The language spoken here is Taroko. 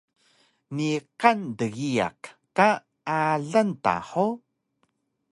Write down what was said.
Niqan dgiyaq ka alang ta hug?